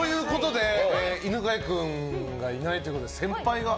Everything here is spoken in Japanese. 犬飼君がいないということで先輩が。